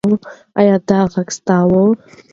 ایا دا غږ ستا و؟